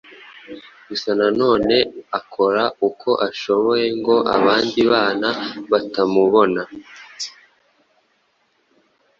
gusa nanone akora uko ashoboye ngo abandi bana batamubona